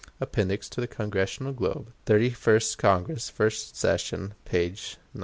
(Appendix to Congressional Globe, Thirty first Congress, first session, p. 919.)